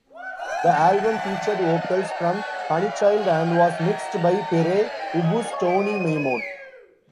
The album featured vocals from Honeychild and was mixed by Pere Ubu's Tony Maimone.